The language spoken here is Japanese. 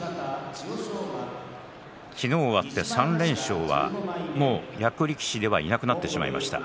昨日を終わって３連勝はもう役力士はいなくなってしまいました。